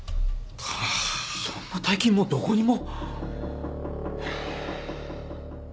そんな大金もうどこにも。